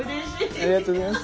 ありがとうございます。